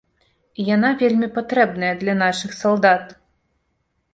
І яна вельмі патрэбная для нашых салдат.